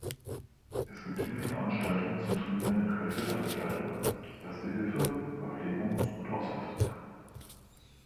Es gibt Innenveranstaltungen zum Trainieren in Kaltwetter-Bekleidung, Erster Hilfe, Verpflegung und Ausrüstung.